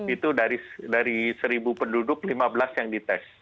itu dari seribu penduduk lima belas yang dites